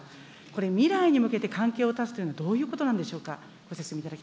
これ、未来に向けて関係を断つということは、どういうことなんでしょうか。